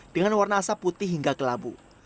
dengan warna asap putih hingga kelabu